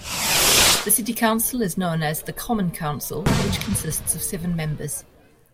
The city council is known as the Common Council, which consists of seven members.